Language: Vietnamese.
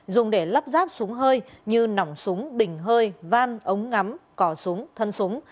dùng để lắp ráp súng hơi như nỏng súng bình hơi van ống ngắm cỏ súng thân súng